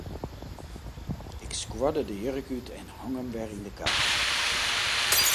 Ik skuorde de jurk út en hong him wer yn 'e kast.